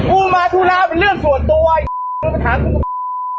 กูมาธุระเป็นเรื่องส่วนตัวไอ้พูดมาถามกูเป็นไอ้